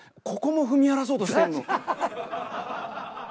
ここも踏み荒らそうとしてる。